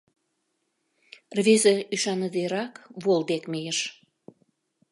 — Рвезе ӱшаныдерак вол дек мийыш.